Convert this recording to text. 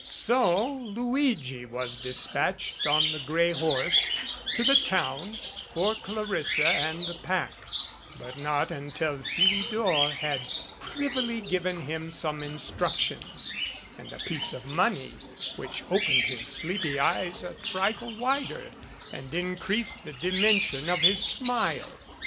So Luigi was dispatched on the gray horse to the town for Clarissa and the pack, but not until Philidor had privily given him some instructions and a piece of money which opened his sleepy eyes a trifle wider and increased the dimension of his smile.